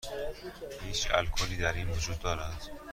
هیچ الکلی در این وجود دارد؟